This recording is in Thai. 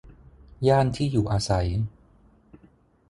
ย่านที่อยู่อาศัย